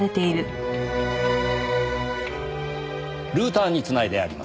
ルーターに繋いであります。